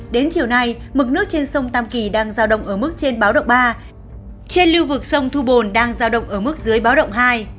đến chiều nay mực nước trên sông tam kỳ đang giao động ở mức trên báo động ba trên lưu vực sông thu bồn đang giao động ở mức dưới báo động hai